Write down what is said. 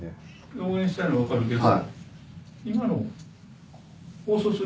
応援したいの分かるけど。